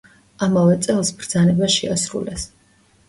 ამავე წელს, ბრძანება შეასრულეს.